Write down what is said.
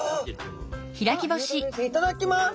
いただきます！